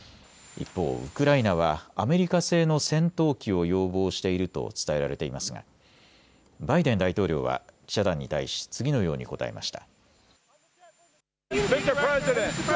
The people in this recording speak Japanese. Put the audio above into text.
一方、ウクライナはアメリカ製の戦闘機を要望していると伝えられていますがバイデン大統領は記者団に対し次のように答えました。